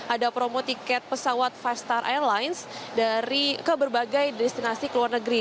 ada promo tiket pesawat lima star airlines ke berbagai destinasi ke luar negeri